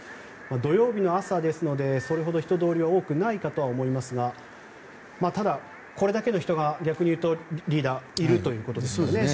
土曜日の朝ですので、それほど人通りは多くないかと思いますがただ、これだけの人が逆に言うとリーダーいるということですね。